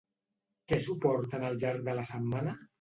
Què suporten al llarg de la setmana?